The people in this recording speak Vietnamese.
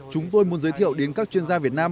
chúng tôi muốn giới thiệu đến các chuyên gia việt nam